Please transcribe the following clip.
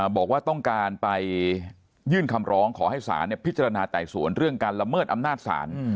บอกว่าต้องการไปยื่นคำร้องขอให้ศาลพิจารณาไต่สวนเรื่องการละเมิดอำนาจศาล